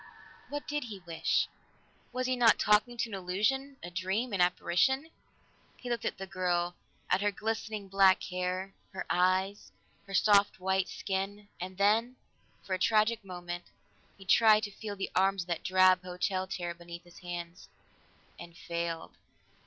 What did he wish? Was he not talking to an illusion, a dream, an apparition? He looked at the girl, at her glistening black hair, her eyes, her soft white skin, and then, for a tragic moment, he tried to feel the arms of that drab hotel chair beneath his hands and failed.